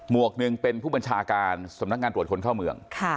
วกหนึ่งเป็นผู้บัญชาการสำนักงานตรวจคนเข้าเมือง